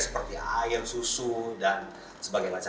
seperti ayam susu dan sebagainya